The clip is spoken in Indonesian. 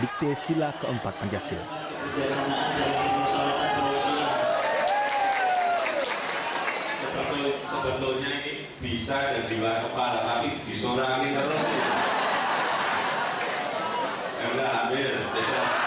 hai sebetulnya ini bisa dan diwakili di surabaya